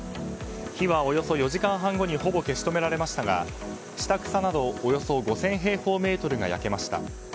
火はおよそ４時間半後にほぼ消し止められましたが下草などおよそ５０００平方メートルが焼けました。